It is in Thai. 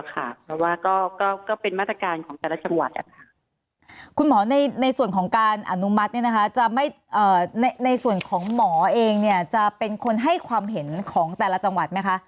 ต้องติดตามดูว่าก็เป็นมาตรการของแต่ละจังหวัดคุณหมอในส่วนของการอนุมัติในส่วนของหมอเองจะเป็นคนให้ความเห็นของแต่ละจังหวัดไหมคะ